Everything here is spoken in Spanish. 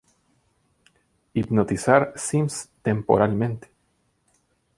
Hipnotizar Sims temporalmente.